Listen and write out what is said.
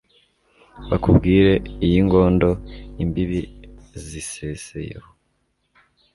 Bakubwire iy' Ingondo, Imbibi ziseseyeho,